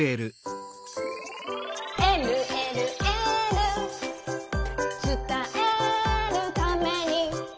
「えるえるエール」「つたえるために」